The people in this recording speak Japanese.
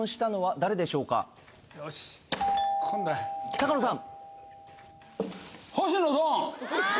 高野さん